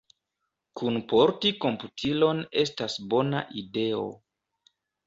Kunporti komputilon estas bona ideo.